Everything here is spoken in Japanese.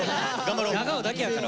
長尾だけやから。